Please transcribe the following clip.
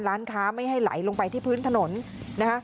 ร้านค้าไม่ให้ไหลลงไปที่พื้นถนนนะคะ